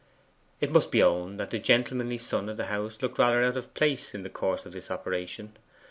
It must be owned that the gentlemanly son of the house looked rather out of place in the course of this operation.